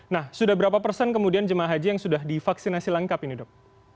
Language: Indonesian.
nah sudah berapa persen kemudian jemaah haji yang sudah divaksinasi lengkap ini dok